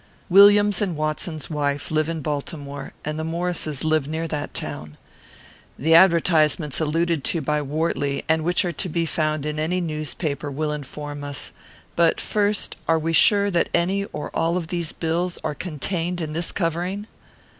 "Williams and Watson's wife live in Baltimore, and the Maurices live near that town. The advertisements alluded to by Wortley, and which are to be found in any newspaper, will inform us; but, first, are we sure that any or all of these bills are contained in this covering?"